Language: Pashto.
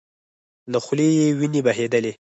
له خولې يې وينې بهيدلې.